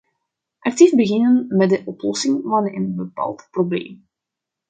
Actief beginnen met de oplossing van een bepaald probleem.